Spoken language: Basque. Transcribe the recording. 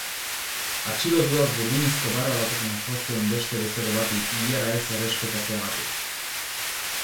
Atxilotuak burdinezko barra batekin jo zion beste bezero bati ilara ez errespetatzeagatik.